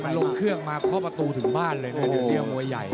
ตอนหลังมันลงเครื่องมาเข้าประตูถึงบ้านเลยเดี๋ยวมวยใหญ่